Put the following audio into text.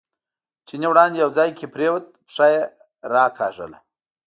چیني وړاندې یو ځای کې پرېوت، پښه یې راکاږله.